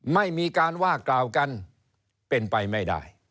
ไม่มีการว่ากล่าวกันเป็นไปไม่ได้